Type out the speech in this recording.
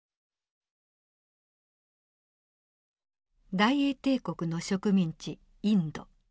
大英帝国の植民地インド。